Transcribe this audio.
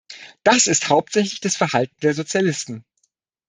Das ist hauptsächlich das Verhalten der Sozialisten.